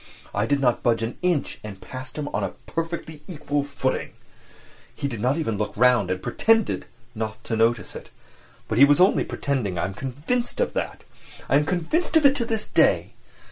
I did not budge an inch and passed him on a perfectly equal footing! He did not even look round and pretended not to notice it; but he was only pretending, I am convinced of that. I am convinced of that to this day!